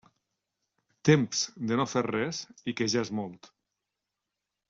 Temps de no fer res, i que ja és molt.